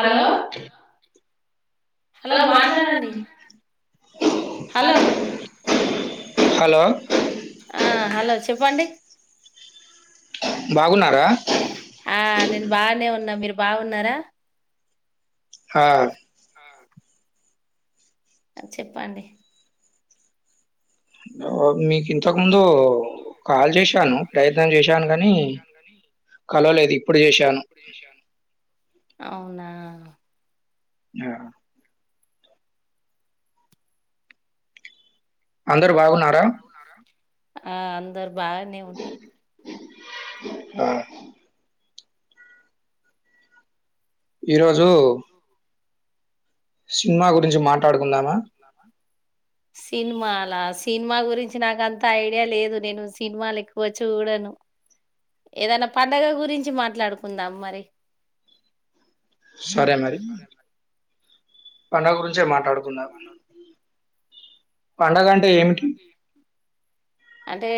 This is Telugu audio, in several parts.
హలో హలో మాట్లాడండి హలో హలో, ఆ హలో చెప్పండి బాగున్నారా ఆ నేను బానే ఉన్నా మీరు బాగున్నరా హా చెప్పండి ఓ మీకి మీకింతక ముందు కాల్ ప్రయత్నం చేశాను, కానీ ప్రయత్నం చేశాను కానీ కలవలేదు ఇప్పుడు కలవలేదు చేశాను ఇప్పుడు చేశాను. అవునా యా అందరు బాగున్నారా ఆ అందరు బాగానే ఉన్నం ఆ ఈరోజు సినిమా గురించి మాట్లాడుకుందామా? సినిమాలా సినిమా గురించి నాకు అంత ఐడియా లేదు, నేను సినిమాలు ఎక్కువ చూడను ఏదైనా పండగ గురించి మాట్లాడుకుందాం మరి. సరే మరి. పండగ గురించే మాట్లాడుకుందాం. పండగంటే ఏమిటి? అంటే?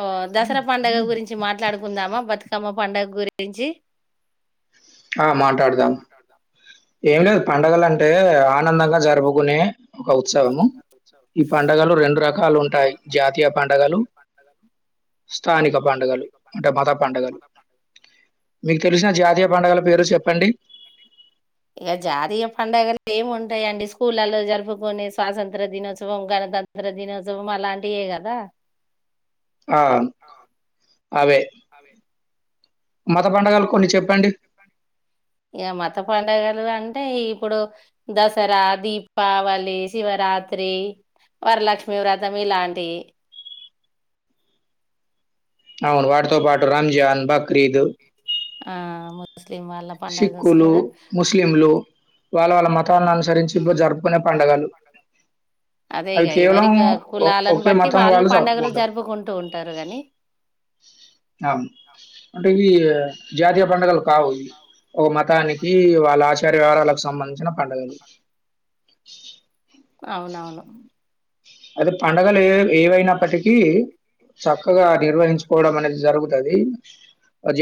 ఓ దసరా పండుగ గురించి మాట్లాడుకుందామా? బతక్ బతకమ్మ పండగ గురించి ఆ మాటాడుదాం. ఏం లేదు, పండుగలు అంటే ఆనందంగా జరుపుకునే... ఒక ఉత్సవము. ఈ పండుగలు రెండు రకాలు ఉంటాయి. జాతీయ పండుగలు, స్థానిక పండుగలు అంటే మత పండుగలు మీకు తెలిసిన జాతీయ పండుగల పేర్లు చెప్పండి. ఇగ జాతీయ పండుగలు ఏమి ఉంటాయండి? స్కూళ్లల జరుపుకొనే స్వాతంత్ర్య దినోత్సవం, గణతంత్ర దినోత్సవం అలాంటియే కదా! ఆ అవే. అవే మాక్ ఇగ మత పడుగలు అంటే? అంటే ఇప్పుడు దసరా, దీపావళి, శివరాత్రి వరలక్ష్మి వ్రతం ఇలాంటివి. అవును. వాటితో పాటో రంజాన్, బక్రీద్. ఆ మొ సిక్కులు, ముస్లింలు. వాళ్ళ వాళ్ళ మతాలను అనుసరించి ఇప్పుడు జరుపుకునే పండగలు. అవి అదేగా కేవలం ఎవరి ఒ- కులాలను ఒకే బట్టి మతం వాళ్ళు పడుగలు జరుపుకుంటారు జరుపుకుంటూ ఉంటారు గని, అవును అంటే ఈ జాతయ ప్ పండగలు కావు. ఒక మతానికి వాళ్ళ ఆచార్య వ్యవహరాలకు సంబంధించిన పండుగలు. [inaudible] అవునవును. అది పండగలు ఏ ఏవైనప్పటికీ చక్కగా నిర్వహించుకోవడం అనేది జరుగుతాది.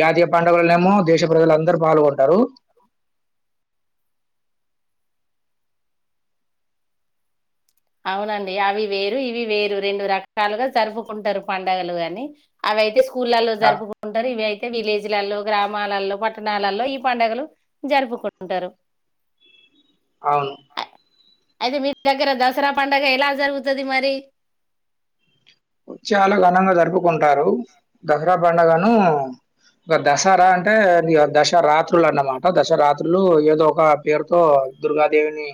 జాతీయ పండుగలనేమో దేశ ప్రజలందరూ పాల్గొంటారు. అవునండి అవి వేరు ఇవి వేరు రెండు రకాలుగా జరుపుకుంటారు. పడుగలు గాని అవి అయితే స్కూల్ స్కూళ్లలో ఆ జరుపుకుంటారు ఇవి అయితే విలేజ్ కు విలేజల్లో గ్రామాలల్లో, పట్టణాలలో ఈ పండుగలు జరుపుకుంటాంటారు. అవును అయితే మీ దగ్గర దసరా పండగ ఎలా జరుగుతది మరి చాలా ఘనంగా జరుపుకుంటారు దసరా పండుగను దసరా అంటే అది దశరా రాత్రులు అన్నమాట దశరాత్రులు ఏదో ఒక పేరుతో దుర్గాదేవిని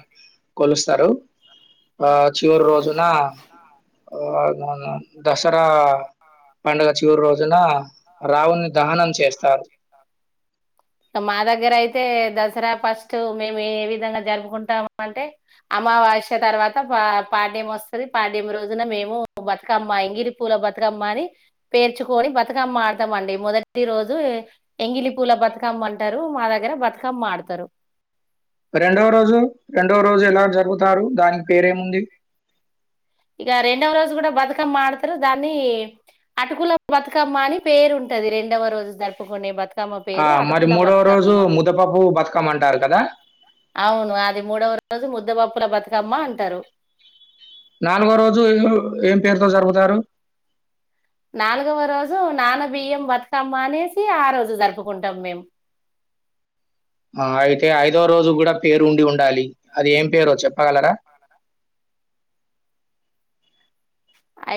కొలుస్తారు ఆ చివరి రోజున ఆ దసరా పండుగ చివరి రోజున రావణుని దహనం చేస్తారు. మా దగ్గర అయితే దసరా ఫస్ట్ మేము ఏ విధంగా జరుపుకుంటాం అంటే అమావాస్య తర్వాత పా పాడ్యం వస్తది. పాడ్యం రోజున మేము బతుకమ్మ ఎంగిలి పూల బతుకమ్మ అని పేర్చుకొని బతుకమ్మ ఆడతాము అండి మొదటి రోజు. ఎంగిలి పూల బతుకమ్మ అంటారు మా దగ్గర బతుకమ్మ ఆడతారు. రెండో రోజు రెండో రోజు ఎలా జరుపుతారు దానికి పేరేముంది. ఇక రెండవ రోజు కూడా బతుకమ్మ ఆడతారు దాన్ని అటుకుల బతుకమ్మ అని పేరు ఉంటది రెండవ రోజు జరుపుకునే బతుకమ్మ ఆ పేరు మరి అటుకుల మూడవ రోజు బతుకమ్మ ముద్దపప్పు బతుకమ్మ అంటారు కదా అవును అది మూడవ రోజు ముద్దబప్పుల బతుక బతుకమ్మ అంటారు. నాలుగో రోజు ఏం పేరుతో జరుపుతారు. నాలుగవ రోజు నానబియ్యం బతుకమ్మ అనేసి ఆ రోజు జరుపుకుంటాం మేము. ఆ అయితే ఐదో రోజు కూడా పేరు ఉండి ఉండాలి అది ఏం పేరో చెప్పగలరా.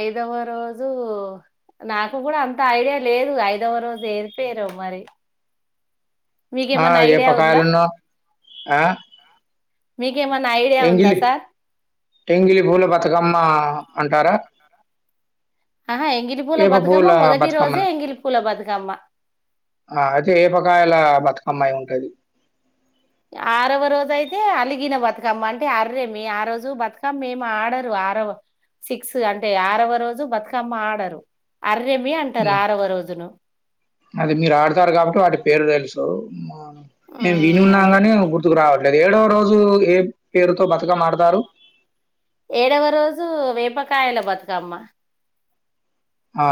ఐదవ రోజు నాకు కూడా అంత ఐడియా లేదు. ఐదవ రోజు ఏం పేరో మరి ఆ మీకేమన్నా ఏప ఐడియా ఉందా కాయలున్ను ఆ మీకేమన్నా ఐడియా ఉందా ఎంగిలి సార్ ఎంగిలి పూల బతకమ్మా. అంటారా. ఆహా ఎంగలి పూలే ఏప బతుకమ్మా పూల మొదటి రోజే బతుకమ్మనా? ఎంగిలి పూలే బతుకమ్మా. అమ్మాయి ఉంటది. ఆరవ రోజు అయితే అలిగిన బతుకమ్మ అంటే అర్రేమి ఆ రోజు బతుకమ్మ మేమి ఆడరు. ఆరవ సిక్స్ అంటే ఆరవ రోజు బతుకమ్మ ఆడరు. అర్రెమి అంటారు ఉమ్ ఆరవ రోజును అది మీరు ఆడతారు కాబట్టి వాటి పేరు తెలుసు. స మ [unintelligible] నేను ఉమ్, అదే వినన్నాంగానే గుర్తుకు రావాలి. ఏడవ రోజు ఏ పేరుతో బతుకమ్మ ఆడతారు. ఏడవ రోజు వేపకాయల బతుకమ్మ. ఆ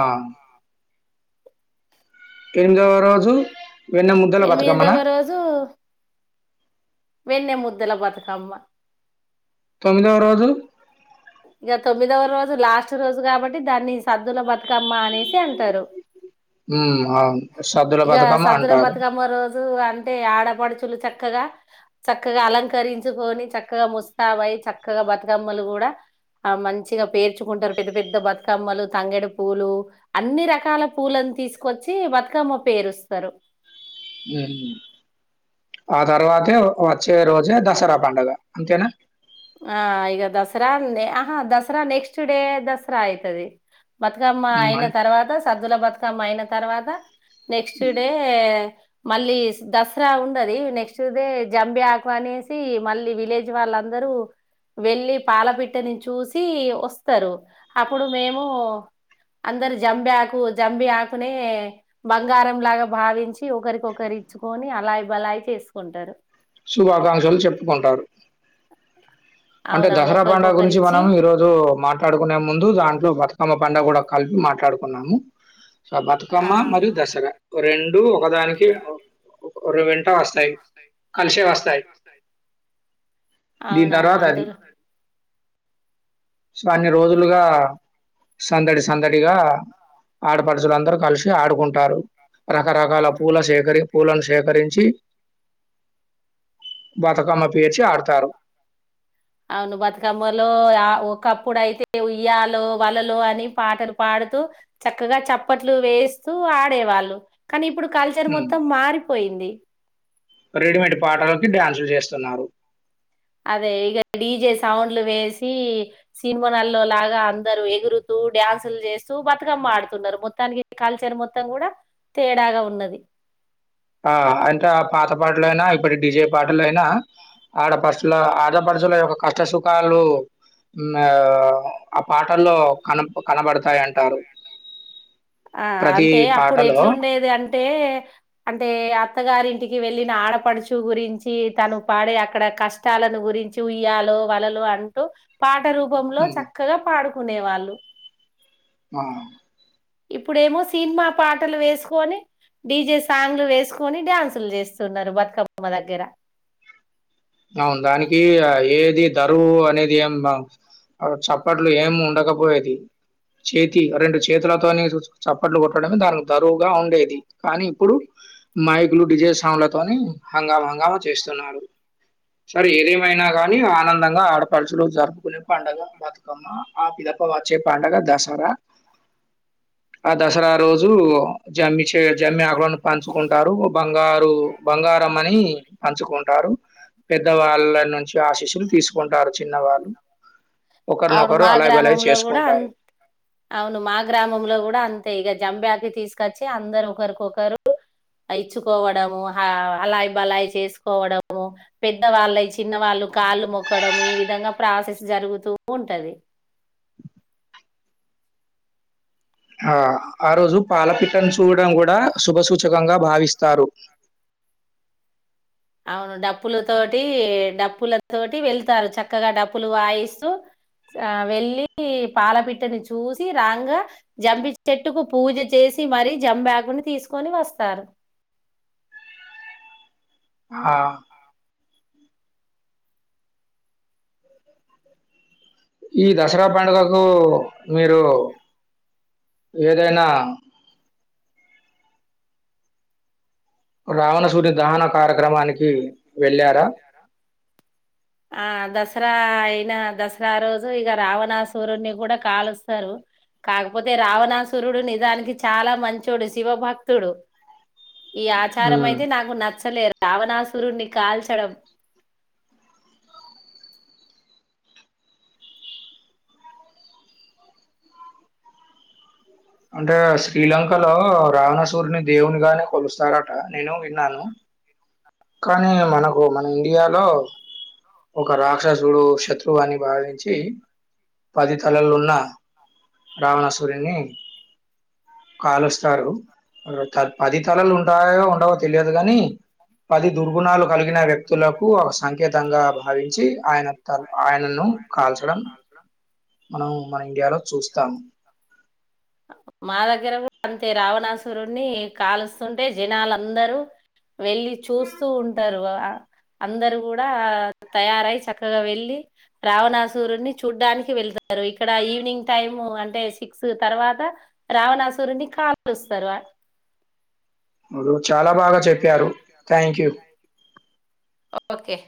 ఎనిమిదవ రోజు. వెన్న ముద్దల బతకమ్మనా. ఎనిమిదవ వెన్న ముద్దలా బతకామ్మా. తొమ్మిదవ రోజు. ఇక తొమ్మిదవ రోజు లాస్ట్ రోజు కాబట్టి దాన్ని సద్దుల బతుకమ్మ అనేసి అంటారు. హ్మ్. అవును. సద్దుల ఇగ బతుకమ్మ సద్దుల అంటారు. బతుకమ్మ రోజు అంటే ఆడపడుచులు. చక్కగా, చక్కగా అలంకరించుకొని చక్కగా ముస్తాబై చక్కగా బతుకమ్మలు కూడా ఆ మంచిగా పేర్చుకుంటారు. పెద్ద పెద్ద బతుకమ్మలు తంగడి పూలు అన్ని రకాల పూలను తీసుకొచ్చి బతుకమ్మ పేరుస్తారు. ఉమ్ ఆ తర్వాతే వచ్చే రోజే దసరా పడుగ అంతేనా. ఆ ఇగ దసరా అ ఆహా దసరా నెక్స్ట్ డే దసరా అయితది. బతుకమ్మ మ్మ్. అయిన అన్- తర్వాత సద్దుల బతుకమ్ తమ అయిన తర్వాత నెక్స్ట్ డే మళ్ళీ దసరా ఉండది నెక్స్ట్ డే జంబి ఆకు అనేసి మళ్ళీ విలేజ్ వాళ్ళందరూ వెళ్లి పాలపిిట్టని చూసి వస్తారు అప్పుడు మేము అందరు జంబి ఆకు జంబి ఆకునే బంగారంలాగా భావించి ఒకరికొకరి ఇచ్చుకొని అలాయి బలాయి్ చేసుకుంటారు శుభాకాంక్షలు చెప్పుకుంటారు అంటే అవునవును దసరా పండగ ఒకరికొకరు గురించి ఇచ్చి మనం ఈ రోజు మాట్లాడుకునే ముందు దాంట్లో బతక తమ పండగ కూడా కలిపి మాట్లాడుకున్నాము సో బతుకమ్మ మరియు ఆ దసరా రెండు ఒకదానికి ఆర్వెల్ వస్తాయి కలిసే వస్తాయి దీని తర్వాత అది స సో అన్ని రోజులుగా సందడి సందడిగా ఆడపడుచలుందరుూ కలిసి ఆడుకుంటు ంటారు రకరకాల పూల సేకరి పూలను సేకరించి బతుకమ్మ పేర్చి ఆడతారు అవును బతుకమ్మలో ఒకప్పుడైతే ఉయ్యాలో వలలో అని పాటలు పాడుతూ చక్కగా చప్పట్లు వేస్తూ ఆడేవాళ్ళు కానీ ఇప్పుడు కల్చర్ మ్మ్. మొత్తం మారిపోయింది రెడీమేడ్ పాటలకి డ్యాన్సులు చేస్తున్నారు అదే ఇక డీజే సౌండ్లు వేసి సినిమాలో లాగా అందరుూ ఎగురుతూ డ్యాన్సులు చేస్తూ బతుకమ్మ ఆడుతున్నారు మొత్తానికి కల్చర్ మొత్తం కూడా తేడాగా ఉన్నది ఆ అంటే ఆ పాత పాటలైనా ఇప్పటి డిజే పాటలయినా ఆడపరుచుల ఆడపరుచుల యొక్క కష్ట సుఖాలు ఆ ఆ పాటల్లో కన కనబడుత ఆ ప్రతి అంటే అప్పుడు పాటలో ఎట్లుండేది అంటే అంటే అత్తగారింటికి వెళ్ళిన ఆడపడుచు గురించి తను పాడే అక్కడ కష్టాలను గురించి ఉయ్యాలో వలలు అంటూ పా రూపంలో హ్మ్. చక్కగా పాడు ఉనే వాళ్ళు ఆ ఇప్పుడేమో సినిమా పాటలు వేసుకొని డీజే సాంగ్లు వేసుకొని డ్యాన్సులు చేస్తున్నారు బతుకమ్బొమ్మ దగ్గర అవును. దానికి ఆహ్, ఏది ధరువు అనేది ఏం చప్పట్లు ఏం ఉండకపోయేది చేతి అ రెండు చేతిలతోని చూ చప్పట్లు కొట్టడమే దానికి తరువుగా ఉండేది కానీ ఇప్పుడు మైకులు డిజే సాంలా తని హంగామా హంగామా చేస్తున్నారు సర ఏదేమైనా గాని ఆనందంగా ఆడపరచులు జరుపుకునే పండుగ బతుకమ్మ ఆ పిదప్ప వచ్చే పండుగ దసరా ఆ దసరా రోజు జమ్మి జమ్మి ఆకులను పంచుకుంటారు బంగారు బంగారం అని పంచుకుంటారు పెద్ద వాళ్ళ నుంచి ఆశీస్సులు తీసుకుంటారు చిన్న వాళ్ళు అవును ఒకరినొకరు మా అల బలయ్ గ్రామంలో కూడా అ చేసుకుంటారు అంత ఇక జం బ్యాక్ తీసుకొచ్చి అందరు ఒకరికొకరు ఇచ్చుకోవడము అలాయి బలాయి చేసుకోవడము పెద్ద వలై చిన్న వాళ్ళు కాళ్ళు మొక్కడము ఈ విధంగా ప్రాసెస్ జరుగుతూ ఉంటది ఆ ఆ రోజు పాలపిట్టను చూడడం కూడా శుభ సూచకంగా భావిస్తారు అవును డప్పులతోటి డప్పులతోటి వెళ్తారు చక్కగా డప్పులు వాయిస్తూ ఆ వెళ్ళి పాలపిట్టని చూసి రాంగా జంపి చెట్టుకు పూజ చేసి మరీ జం బ్యాగుని తీసుకొని వస్తారు హా ఈ దసరా పండుగకు మీరు ఏదైనా రావణ సుడి దహన కార్యక్రమానికి వెళ్ళారా ఆ దసరా అయిన దసరా రోజు ఇక రావణాసురుడిని కూడా కాలుస్తారు కాకపోతే రావణాసురుడు నిజానికి చాలా మంచోడు శివభక్తుడు ఈ ఆచారం హ్మ్. అయితే నాకు [unintelligible] రావణాసురు్ని కాల్చడం అంటే శ్రీలంకలో రావణసూర్ని దేవుని గానే కొలుస్తారట నేను విన్నాను కానీ మనకు మన ఇండియాలో ఒక రాక అక్షసుడ శత్రువని బావించి చే పది తలలు ఉన్నా రావణ సూరని కాలుస్తారు పది తలలు ఉంటాయో ఉండవో తెలియదు గాని పది దుర్గుణాలు కలిగిన వ్యక్తులకు ఒక సంకేతంగా భావించి ఆయన తల్ ఆయనను కాల్చడం మనం మన ఇండియాలో చూస్తాము మా దగ్గర కూడా అంతే రావణాసురుని కాలుస్తుంటే జనాలందరూ వెళ్ళి చూస్తూ ఉంటారు వా అ అందరు కూడా తయారయి చక్కగా వెళ్ళి రావణాసురుని చూడ్డానికి వెళ్తారు ఇక్కడ ఈవినింగ్ టైమ్ అంటే సిక్స్ తర్వాత రావణాసు రుడిని కాలుస్తారు చాలా బాగా చెప్పారు థ్యాంక్ యూ ఓకే